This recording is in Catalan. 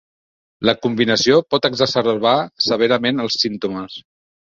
La combinació pot exacerbar severament els símptomes.